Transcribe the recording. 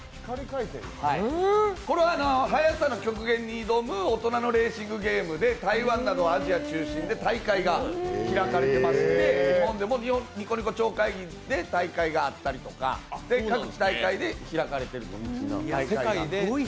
速さの極限に挑む大人のレーシングゲームで台湾などアジア中心で大会が開かれていますので日本でもニコニコ超会議で大会があったりとか各地、大会が開かれているという。